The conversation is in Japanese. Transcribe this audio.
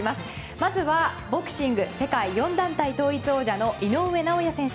まずはボクシング世界４団体統一王者の井上尚弥選手。